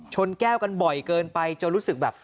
แก้วกันบ่อยเกินไปจนรู้สึกแบบ